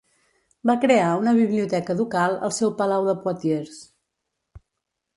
Va crear una biblioteca ducal al seu palau de Poitiers.